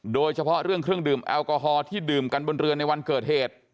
โดยเฉพาะเรื่องเครื่องดื่มแอลกอฮอลที่ดื่มกันบนเรือในวันเกิดเหตุ